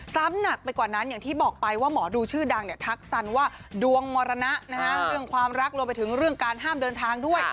หนักไปกว่านั้นอย่างที่บอกไปว่าหมอดูชื่อดังเนี่ยทักสันว่าดวงมรณะเรื่องความรักรวมไปถึงเรื่องการห้ามเดินทางด้วย